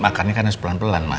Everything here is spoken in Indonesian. makannya karena sepeluh pelan mak